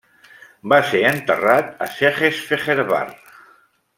Va ser enterrat a Székesfehérvár.